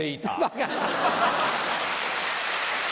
バカ。